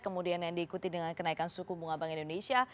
kemudian yang diikuti dengan kenaikan suku bunga bank indonesia